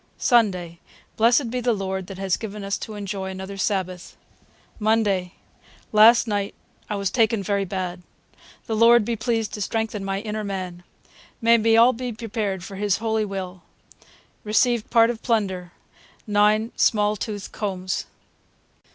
Sunday. Blessed be the Lord that has given us to enjoy another Sabath. Monday. Last Night I was taken verry Bad. The Lord be pleased to strengthen my Inner Man. May we all be Prepared for his Holy Will. Recd part of Plunder 9 Small tooth combs.'